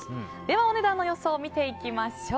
お値段の予想を見ていきましょう。